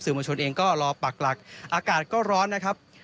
มวลชนเองก็รอปักหลักอากาศก็ร้อนนะครับ